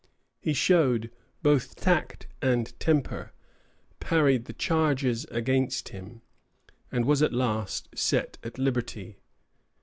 He showed both tact and temper, parried the charges against him, and was at last set at liberty.